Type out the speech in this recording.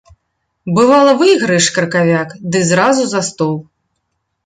Бывала, выйграеш кракавяк ды зразу за стол.